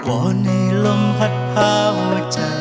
เพราะในลมพัดพาหัวใจพี่ไปถึง